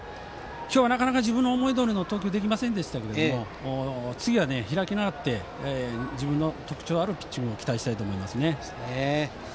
今日は自分の思いどおりの投球ができませんでしたが次は開き直って自分の特徴のあるピッチングに期待したいと思います。